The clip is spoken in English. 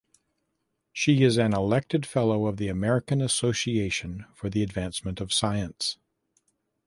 She is an elected fellow of the American Association for the Advancement of Science.